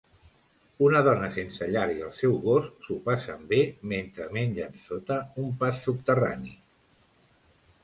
Una dona sense llar i el seu gos s'ho passen bé mentre mengen sota un pas subterrani.